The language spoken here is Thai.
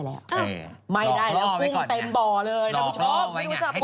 สวัสดีค่าข้าวใส่ไข่